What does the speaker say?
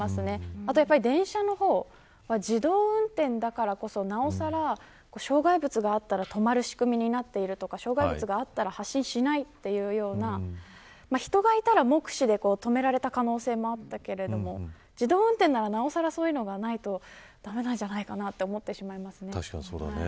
あとは電車の方自動運転だからこそ、なおさら障害物があったら止まる仕組みになっているとか障害物があったら発進しないというような人がいたら目視で止められた可能性もあったけれども自動運転ならなおさらそういうのがないと駄目なんじゃないかなと思ってしまいます。